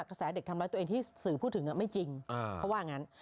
กระแสเด็กทำร้ายตัวเองที่สื่อพูดถึงไม่จริงเขาว่างั้น